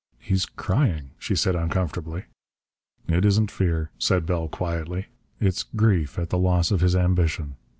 "He's crying," she said uncomfortably. "It isn't fear," said Bell quietly. "It's grief at the loss of his ambition.